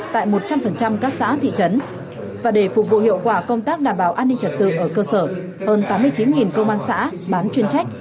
tại một trăm linh các xã thị trấn và để phục vụ hiệu quả công tác đảm bảo an ninh trật tự ở cơ sở hơn tám mươi chín công an xã bán chuyên trách